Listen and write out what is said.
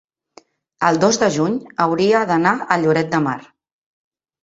el dos de juny hauria d'anar a Lloret de Mar.